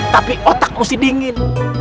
tapi otak masih dingin